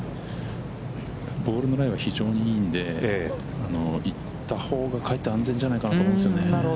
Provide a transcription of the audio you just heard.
ボールのライは非常にいいんで、行ったほうがかえって安全じゃないかと思うんですけどね。